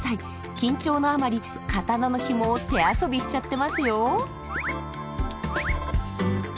緊張のあまり刀のヒモを手遊びしちゃってますよ。